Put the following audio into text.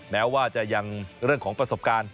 แม้ว่าจะยังเรื่องของประสบการณ์